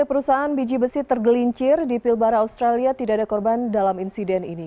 perusahaan biji besi tergelincir di pilbara australia tidak ada korban dalam insiden ini